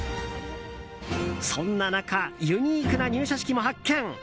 そんな中ユニークな入社式も発見。